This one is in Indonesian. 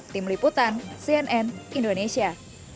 tim liputan cnn indonesia